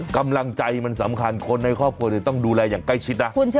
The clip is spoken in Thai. กำลังใจมันสำคัญคนในครอบครัวต้องดูแลอย่างใกล้ชิดนะ